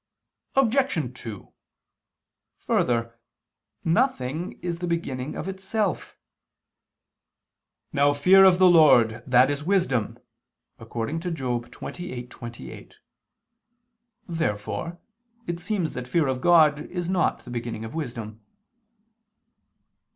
Obj. 2: Further, nothing is the beginning of itself. "Now fear of the Lord, that is wisdom," according to Job 28:28. Therefore it seems that fear of God is not the beginning of wisdom.